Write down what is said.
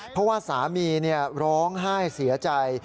เพราะว่าสามีร้องไห้เสียใจ